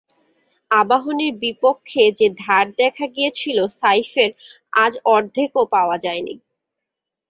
আবাহনীর বিপক্ষে যে ধার দেখা গিয়েছিল সাইফের, আজ অর্ধেকও পাওয়া যায়নি।